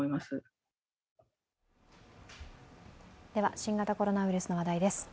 新型コロナウイルスの話題です。